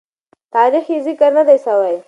تاریخ یې ذکر نه دی سوی.